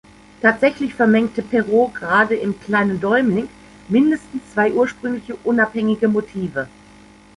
Tatsächlich vermengte Perrault gerade im "„Kleinen Däumling“" mindestens zwei ursprünglich unabhängige Motive.